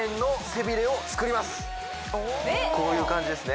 こういう感じですね